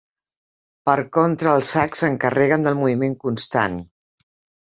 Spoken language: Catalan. Per contra els sacs s'encarreguen del moviment constant.